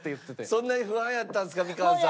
そんなに不安やったんですかみかんさん。